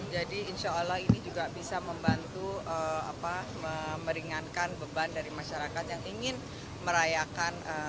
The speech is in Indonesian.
jadi insya allah ini juga bisa membantu meringankan beban dari masyarakat yang ingin merayakan